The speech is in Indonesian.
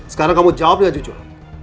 sekarang kamu jawab ya jujur